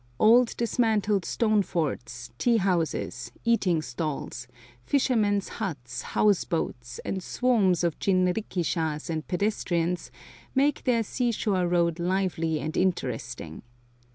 Old dismantled stone forts, tea houses, eating stalls, fishermen's huts, house boats, and swarms of jinrikishas and pedestrians make their sea shore road lively and interesting.